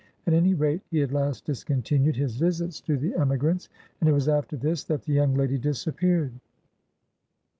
At any rate, he at last discontinued his visits to the emigrants; and it was after this that the young lady disappeared.